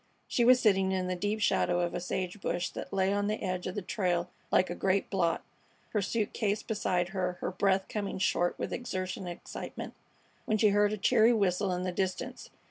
She was sitting in the deep shadow of a sage bush that lay on the edge of the trail like a great blot, her suit case beside her, her breath coming short with exertion and excitement, when she heard a cheery whistle in the distance.